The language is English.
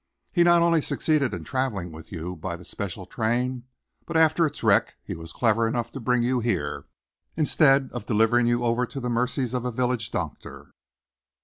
He not only succeeded in travelling with you by the special train, but after its wreck he was clever enough to bring you here, instead of delivering you over to the mercies of a village doctor.